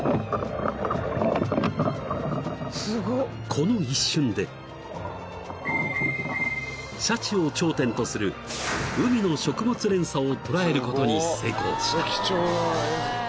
［この一瞬でシャチを頂点とする海の食物連鎖を捉えることに成功した］